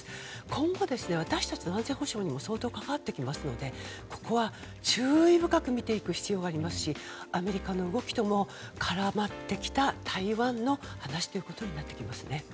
今後、私たちの安全保障にも関わってきますのでここは、注意深く見ていく必要がありますしアメリカの動きとも絡まってきた台湾の話ということになってきますよね。